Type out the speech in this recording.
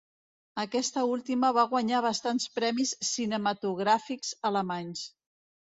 Aquesta última va guanyar bastants premis cinematogràfics alemanys.